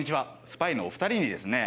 スパイのお二人にですね